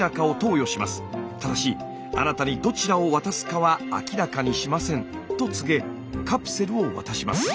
ただしあなたにどちらを渡すかは明らかにしませんと告げカプセルを渡します。